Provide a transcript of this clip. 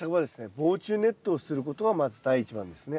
防虫ネットをすることがまず第一番ですね。